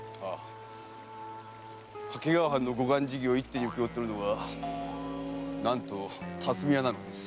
掛川藩の護岸事業を一手に請け負っているのがなんと辰巳屋なんです。